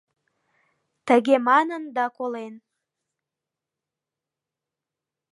Тыге манын да колен.